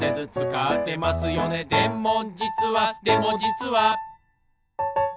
「でもじつはでもじつは」